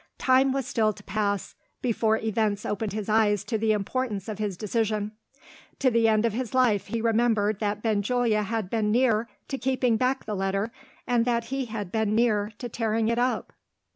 Time was still to pass, before events opened his eyes to the importance of his decision. To the end of his life he remembered that Benjulia had been near to keeping back the letter, and that he had been near to tearing it up.